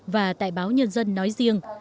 và tại báo nhân dân nói riêng